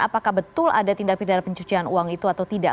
apakah betul ada tindak pidana pencucian uang itu atau tidak